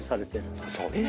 そうです。